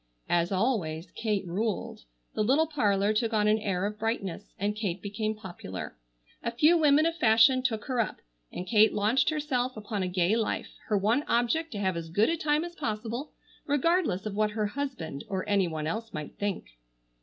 As always, Kate ruled. The little parlor took on an air of brightness, and Kate became popular. A few women of fashion took her up, and Kate launched herself upon a gay life, her one object to have as good a time as possible, regardless of what her husband or any one else might think.